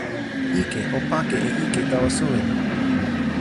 ike, o pake e ike tawa soweli!